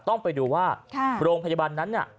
ต้องไปดูว่าโรงพยาบาลนั้นน่ะ